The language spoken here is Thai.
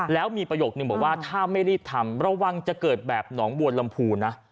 แล้วมีประโยคนึงบอกว่าถ้าไม่รีบทำระวังจะเกิดแบบหนองบัวลำพูนะ